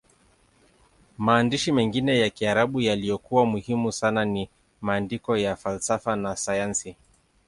Maandishi mengine ya Kiarabu yaliyokuwa muhimu sana ni maandiko ya falsafa na sayansi.